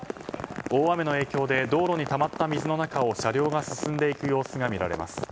大雨の影響で道路にたまった水の中を車両が進んでいく様子が見られます。